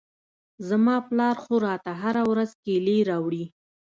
زما پلار خو راته هره ورځ کېلې راوړي.